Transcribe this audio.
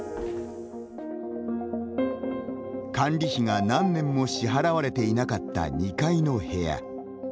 管理費が何年も支払われていなかった２階の部屋。